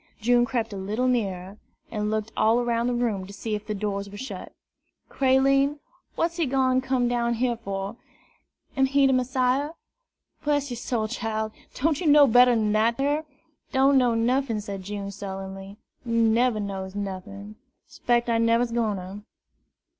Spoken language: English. June crept a little nearer, and looked all around the room to see if the doors were shut. "Creline, what's he done gone come down here fur? Am he de Messiah?" "Bress yer soul, chile! don' ye know better'n dat ar?" "Don' know nuffin," said June sullenly. "Neber knows nuffin; 'spects I neber's gwine to.